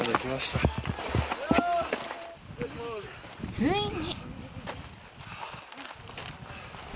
ついに。